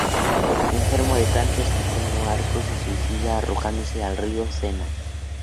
Enfermo de cáncer, Santiago Arcos se suicida arrojándose al río Sena.